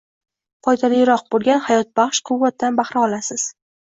Foydaliroq bo'lgan hayotbahsh quvvatdan bahra olasiz.